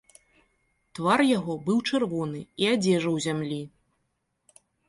Твар яго быў чырвоны, і адзежа ў зямлі.